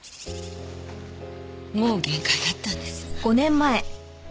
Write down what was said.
もう限界だったんです。